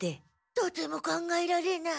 とても考えられない。